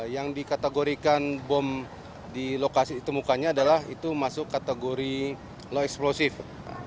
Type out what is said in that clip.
yang dikategorikan bom di lokasi ditemukannya adalah itu masuk kategori low explosive